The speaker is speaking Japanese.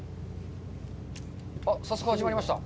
あっ、早速、始まりました。